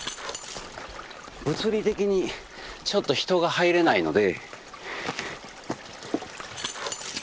物理的にちょっと人が入れないので。